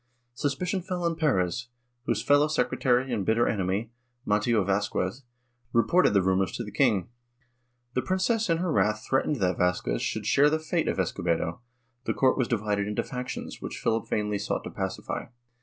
Suspicion fell on Perez, whose fellow secretary and bitter enemy, Mateo Vazquez, reported the rumors to the king. The princess in her wrath threatened that Vazquez should share the fate of Escobedo ; the court was divided into factions which Philip vainly sought to pacify.